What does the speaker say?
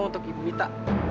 untuk ibu mita